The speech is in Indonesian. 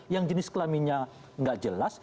yang jenis kelaminnya nggak jelas